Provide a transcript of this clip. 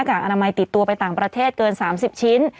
นักการอนามัยติดตัวไปต่างประเทศเกิน๑๙๐๐๐๐๐๐